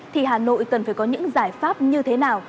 thì hà nội cần phải có những giải pháp như thế nào